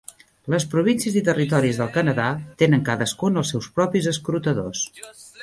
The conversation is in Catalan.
Les províncies i territoris del Canadà tenen cadascun els seus propis escrutadors.